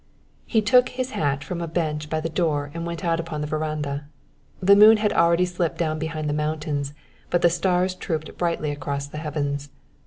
He took his hat from a bench by the door and went out upon the veranda. The moon had already slipped down behind the mountains, but the stars trooped brightly across the heavens.